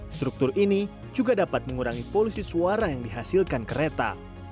struktur ini juga dapat mengurangi polusi suara yang dihasilkan kereta